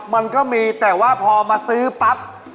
มันก็มีแต่ว่าพอมาซื้อปั๊บ